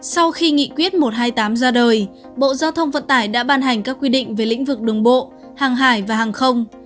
sau khi nghị quyết một trăm hai mươi tám ra đời bộ giao thông vận tải đã ban hành các quy định về lĩnh vực đường bộ hàng hải và hàng không